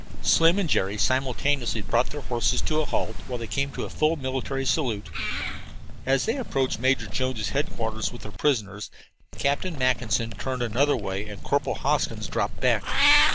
Slim and Jerry simultaneously brought their horses to a halt while they came to a full military salute. As they approached Major Jones' headquarters with their prisoners, Captain Mackinson turned another way and Corporal Hoskins dropped back.